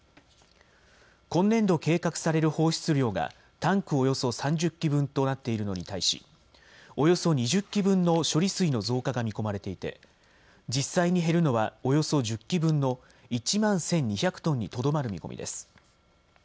今年度計画される放出量がタンクおよそ３０基分となっているのに対し、およそ２０基分の処理水の増加が見込まれていて実際に減るのはおよそ１０基分の１万１２００トンにとどまる見込みです。